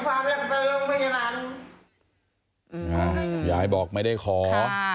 เพราะว่าไม่ใช่ชื่อมึงก็ขวากอีกมากันไป